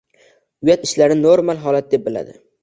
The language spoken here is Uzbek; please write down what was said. uyat ishlarni normal holat deb biladi.